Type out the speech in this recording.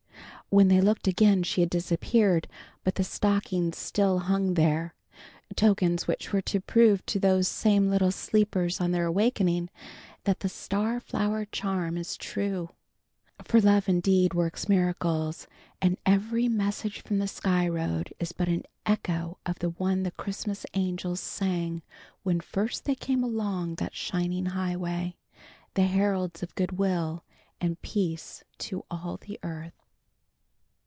When they looked again she had disappeared, but the stockings still hung there, tokens which were to prove to those same little sleepers on their awakening that the star flower charm is true. For love indeed works miracles, and every message from the Sky Road is but an echo of the one the Christmas angels sang when first they came along that shining highway, the heralds of good will and peace to all the earth.